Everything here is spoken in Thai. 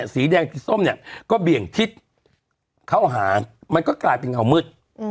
สีแดงสีส้มเนี่ยก็เบี่ยงทิศเข้าหามันก็กลายเป็นเงามืด